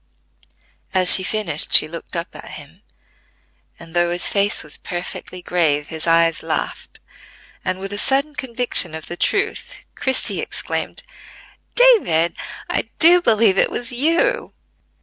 As she finished she looked up at him; and, though his face was perfectly grave, his eyes laughed, and with a sudden conviction of the truth, Christie exclaimed! "David, I do believe it was you!"